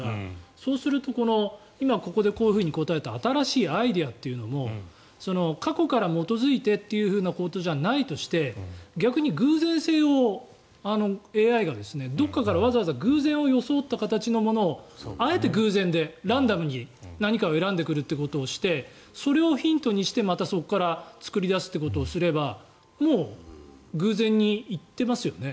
そうすると今ここでこういうふうに答えた新しいアイデアということも過去から基づいてということじゃないとして逆に偶然性をＡＩがどこかからわざわざ偶然を装ったものをあえて偶然でランダムに何かを選んでくるということをしてそれをヒントにしてまた、そこから作り出すということをすればもう偶然に行っていますよね。